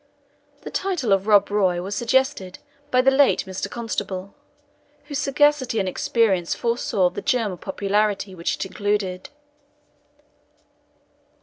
The title of Rob Roy was suggested by the late Mr. Constable, whose sagacity and experience foresaw the germ of popularity which it included.